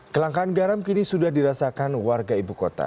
kelangkaan garam kini sudah dirasakan warga ibu kota